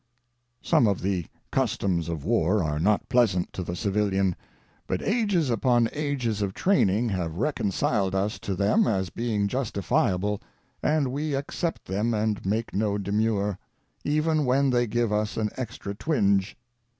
Some of the customs of war are not pleasant to the civilian; but ages upon ages of training have reconciled us to them as being justifiable, and we accept them and make no demur, even when they give us an extra twinge.